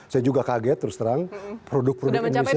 saya juga kaget terus terang produk produk indonesia